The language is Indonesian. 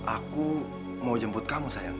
aku mau jemput kamu sayang